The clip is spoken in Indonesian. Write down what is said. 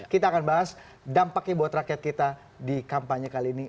kita akan bahas dampaknya buat rakyat kita di kampanye kali ini